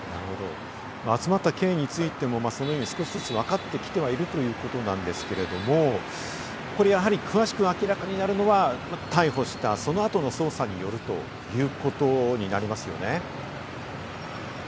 集まった経緯についてもそのように少しずつ分かってきてはいるということなんですけれども、詳しく明らかになるのは逮捕した、その後の捜査によるということになりますよね。